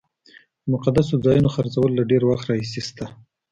د مقدسو ځایونو خرڅول له ډېر وخت راهیسې شته.